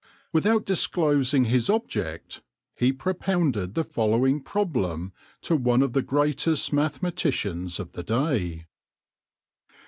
Without disclosing his object, he propounded the following problem to one of the greatest mathematicians of the day.